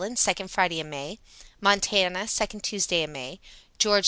second Friday in May; Mont., second Tuesday in May; Ga.